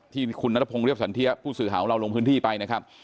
ที่คุณนัทพงศ์เรียบสันเทียผู้สื่อข่าวของเราลงพื้นที่ไปนะครับ